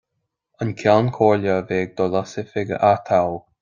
An Ceann Comhairle a bheidh ag dul as oifig a atoghadh.